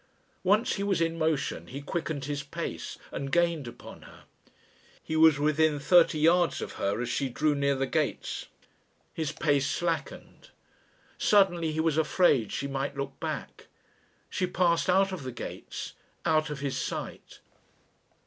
Once he was in motion he quickened his pace and gained upon her. He was within thirty yards of her as she drew near the gates. His pace slackened. Suddenly he was afraid she might look back. She passed out of the gates, out of his sight.